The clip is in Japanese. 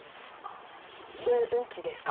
ううんちですか？